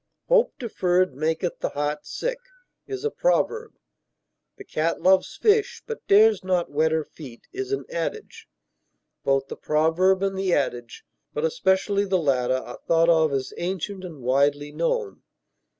"Hope deferred maketh the heart sick" is a proverb; "The cat loves fish, but dares not wet her feet," is an adage. Both the proverb and the adage, but especially the latter, are thought of as ancient and widely known.